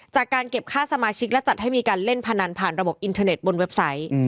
จากการเก็บค่าสมาชิกและจัดให้มีการเล่นพนันผ่านระบบอินเทอร์เน็ตบนเว็บไซต์